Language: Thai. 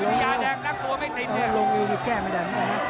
แล้วเฮฮาเลยนะครับ